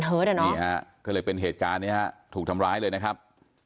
นี่ฮะก็เลยเป็นเหตุการณ์นี้ฮะถูกทำร้ายเลยนะครับ